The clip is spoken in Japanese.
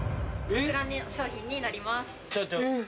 こちらの商品になります。